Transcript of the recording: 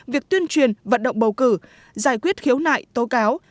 việc tuyên truyền vận động bầu cử giải quyết khiếu nại tố cáo